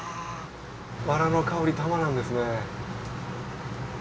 ワラの香りたまらんですね。